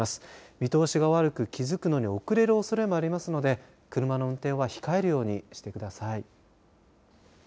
見通しが悪く気付くのに遅れるおそれがありますので車の運転は控えるようにしてください。